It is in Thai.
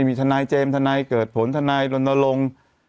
มีทะนายเจมส์ทะนายเกิดผลทะนายฤนลง